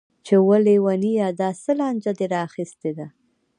چې وه ليونيه دا څه لانجه دې راخيستې ده.